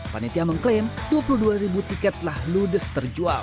panitia mengklaim dua puluh dua ribu tiket telah ludes terjual